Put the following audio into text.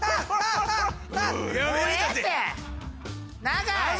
長い！